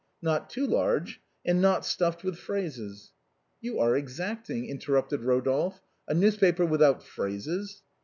not too large and not stuifed with phrases." " You are exacting," interrupted Rodolphe ;" a news paper without phrases